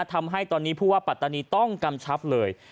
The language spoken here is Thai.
ทำให้ตอนนี้ผู้ว่าปัตตานีต้องกำชับเลย